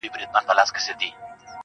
• مُلا سړی سو، اوس پر لاره د آدم راغلی_